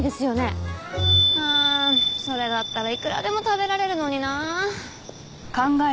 ああそれだったらいくらでも食べられるのになあ。